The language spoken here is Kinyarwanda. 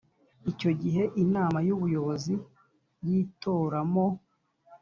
Icyo gihe Inama y Ubuyobozi yitoramo